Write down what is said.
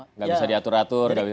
tidak bisa diatur atur